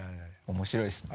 面白いですね。